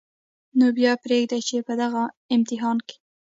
نو بیا پرېږدئ چې په دغه امتحان کې